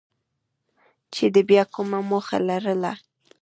چې ده بیا کومه موخه لرله.